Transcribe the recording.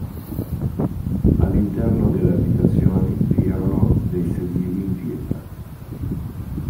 All'interno delle abitazioni vi erano dei sedili in pietra.